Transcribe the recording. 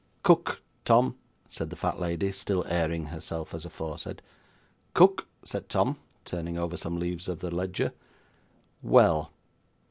'Cook, Tom,' said the fat lady, still airing herself as aforesaid. 'Cook,' said Tom, turning over some leaves of the ledger. 'Well!